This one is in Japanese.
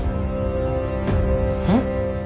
えっ？